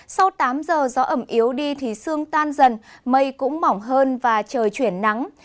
sau tám giờ gió ẩm yếu đi thì sương tan dần mây cũng mỏng hơn và trời chuyển nắng